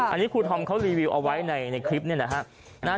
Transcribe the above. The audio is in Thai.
อันนี้ครูธอมเขารีวิวเอาไว้ในคลิปเนี่ยนะฮะ